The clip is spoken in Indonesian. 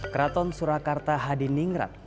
keraatan surakarta hadir ningrat